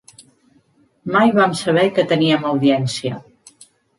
Mai vam saber que teníem audiència!